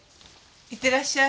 いってらっしゃい。